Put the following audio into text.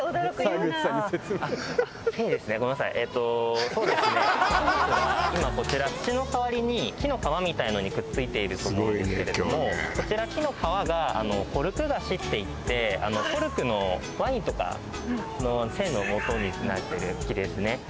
植物が今こちら土の代わりに木の皮みたいなのにくっついていると思うんですけれどもこちら木の皮がコルクガシっていってコルクのワインとかの栓のもとになってる木ですね。